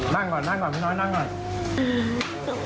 นั่งก่อนพี่น้อยนั่งก่อน